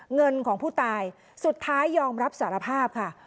เงินของผู้ตายสุดท้ายยอมรับสารภาพค่ะ